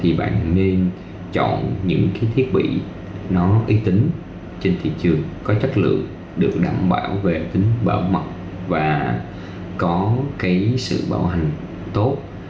vì bạn nên chọn những cái thiết bị nó uy tín trên thị trường có chất lượng được đảm bảo về tính bảo mật và có cái sự bảo hành tốt